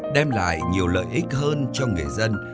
đem lại nhiều lợi ích hơn cho người dân